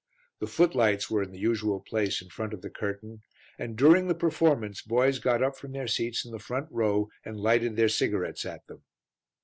The footlights were in the usual place in front of the curtain, and during the performance boys got up from their seats in the front row and lighted their cigarettes at them.